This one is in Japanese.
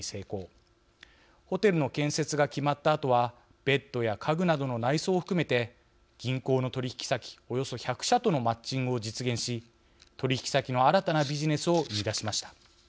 ホテルの建設が決まったあとはベッドや家具などの内装を含めて銀行の取引先およそ１００社とのマッチングを実現し取引先の新たなビジネスを生み出しました。